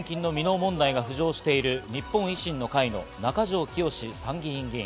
問題が浮上している日本維新の会の中条きよし参議院議員。